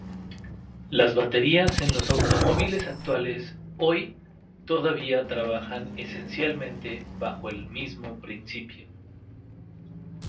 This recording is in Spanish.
Las baterías en los automóviles actuales hoy todavía trabajan esencialmente bajo el mismo principio.